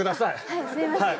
はいすいません。